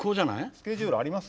スケジュールあります？